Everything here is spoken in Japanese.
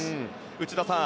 内田さん